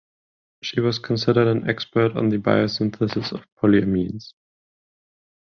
She was considered an expert on the biosynthesis of polyamines.